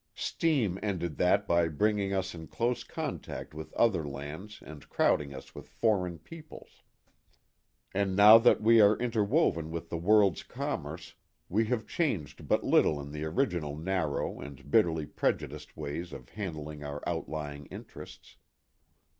Steam ended that by bringing us in close contact with other lands and crowd ing us with foreign peoples. And now that we are interwoven with the world's commerce, we have changed but little of the original narrow and bitterly prejudiced ways of handling our outlying interests.